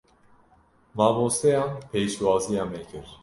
Mamosteyan pêşwaziya me kir.